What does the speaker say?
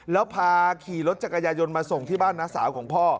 แล้วพาขี่รถจักรยายนมาส่งที่บ้านน้าสาวของพ่อ